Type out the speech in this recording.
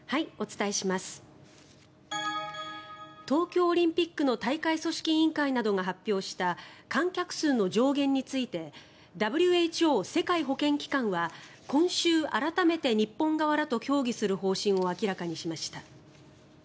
東京オリンピックの大会組織委員会などが発表した観客数の上限についてＷＨＯ・世界保健機関は今週、改めて日本側らと協議する方針を明らかにしました。